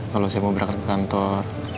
kalau saya mau berangkat ke kantor